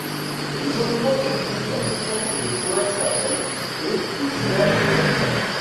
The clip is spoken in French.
Le monument se trouve dans le centre de Poelcappelle et il sert de rond-point.